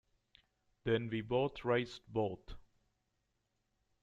Then we both raised both.